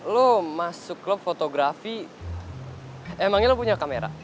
lo masuk klub fotografi emangnya lo punya kamera